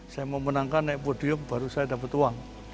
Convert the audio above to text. saya mau menangkan naik podium baru saya dapat uang